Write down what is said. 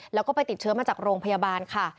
แล้วก็ไปติดเชื้อมาจากโรงพยาบาลค่ะ